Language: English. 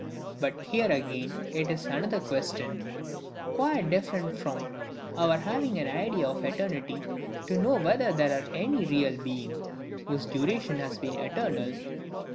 But here again it is another question, quite different from our having an IDEA of eternity, to know whether there were ANY REAL BEING, whose duration has been eternal.